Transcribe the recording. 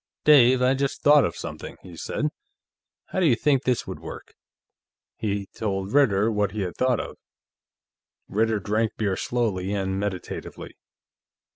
"Dave, I just thought of something," he said. "How do you think this would work?" He told Ritter what he had thought of. Ritter drank beer slowly and meditatively.